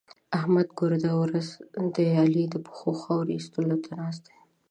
احمد ګرده ورځ د علي د پښو خاورې اېستو ته ناست دی.